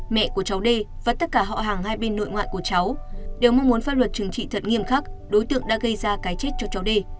mẹ của cháu đê và tất cả họ hàng hai bên nội ngoại của cháu đều mong muốn pháp luật trừng trị thật nghiêm khắc đối tượng đã gây ra cái chết cho cháu đê